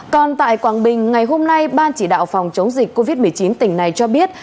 còn tại quảng bình ngày hôm nay ban chỉ đạo phòng chống dịch covid một mươi chín tỉnh này cho biết